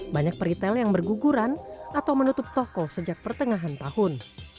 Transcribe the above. banyak peritel yang berguguran atau menutup toko sejak pertengahan tahun